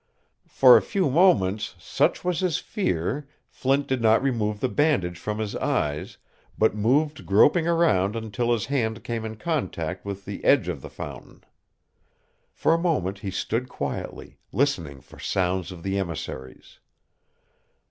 For a few moments, such was his fear, Flint did not remove the bandage from his eyes, but moved groping around until his hand came in contact with the edge of the fountain. For a moment he stood quietly, listening for sounds of the emissaries.